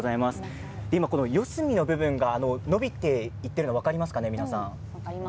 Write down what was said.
四隅の部分が伸びていっているの分かりますか。